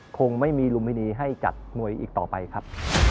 คงไม่มีลุมพินีให้จัดมวยอีกต่อไปครับ